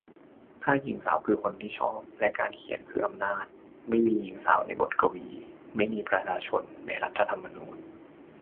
ถ้า หญิงสาว คือ คนที่ขอบ และ การเขียน คือ อำนาจ. ไม่มีหญิงสาวในบทกวี. ไม่มีประชาชนในรัฐธรรมนูญ.